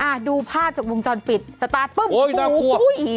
อ่ะดูผ้าจากวงจรปิดสตาร์ทปึ้มโอ้ยน่ากลัวอุ้ย